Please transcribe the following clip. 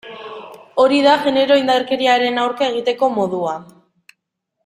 Hori da genero indarkeriaren aurka egiteko modua.